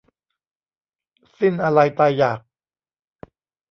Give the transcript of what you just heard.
สิ้นอาลัยตายอยาก